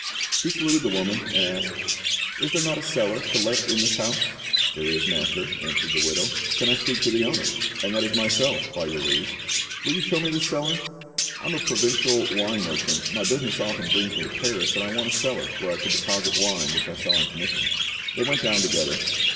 He saluted the woman, and asked— "Is there not a cellar to let in this house?" "There is, master," answered the widow. "Can I speak to the owner?" "And that is myself, by your leave." "Will you show me the cellar? I am a provincial wine merchant, my business often brings me to Paris, and I want a cellar where I could deposit wine which I sell on commission." They went down together.